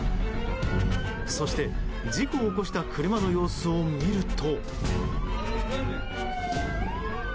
そして、事故を起こした車の様子を見ると。